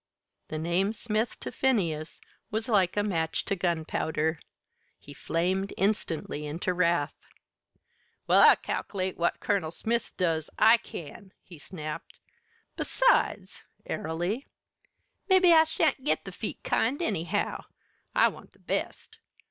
The name Smith to Phineas was like a match to gunpowder. He flamed instantly into wrath. "Well, I cal'late what Colonel Smith does, I can," he snapped. "Besides" airily "mebbe I shan't git the feet kind, anyhow; I want the best.